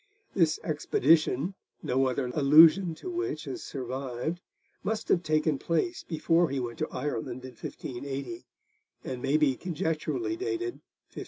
This expedition, no other allusion to which has survived, must have taken place before he went to Ireland in 1580, and may be conjecturally dated 1577.